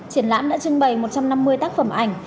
triển lãm đã trưng bày một trăm năm mươi tác phẩm ảnh